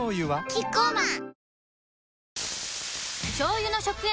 キッコーマン